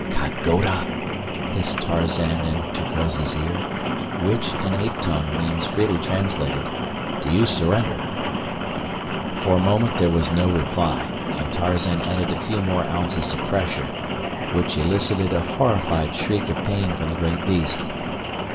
"Ka goda?" hissed Tarzan in Terkoz's ear, which, in ape tongue, means, freely translated: "Do you surrender?" For a moment there was no reply, and Tarzan added a few more ounces of pressure, which elicited a horrified shriek of pain from the great beast.